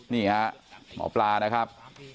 หมอปลานะครับ